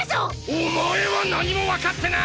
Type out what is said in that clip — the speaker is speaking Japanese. お前は何もわかってない！